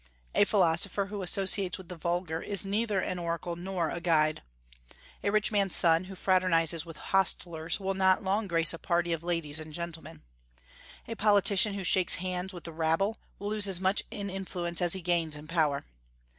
A philosopher who associates with the vulgar is neither an oracle nor a guide. A rich man's son who fraternizes with hostlers will not long grace a party of ladies and gentlemen. A politician who shakes hands with the rabble will lose as much in influence as he gains in power.